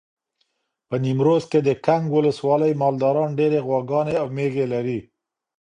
په نیمروز کې د کنگ ولسوالۍ مالداران ډېر غواګانې او مېږې لري.